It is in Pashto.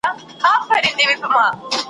چی را یادي می ساده ورځی زلمۍ سي `